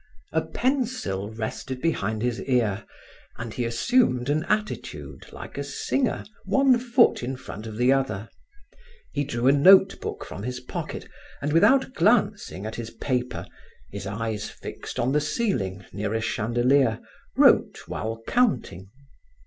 A pencil rested behind his ear and he assumed an attitude like a singer, one foot in front of the other; he drew a note book from his pocket, and without glancing at his paper, his eyes fixed on the ceiling, near a chandelier, wrote while counting.